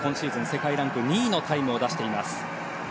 世界ランク２位のタイムを出しています。